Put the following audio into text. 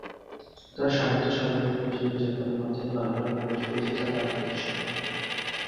তার সাহিত্য সাধনা এবং জীবনযাপনের মধ্যে বারবার প্রকাশ পেয়েছে তার রাজনৈতিক সত্তা।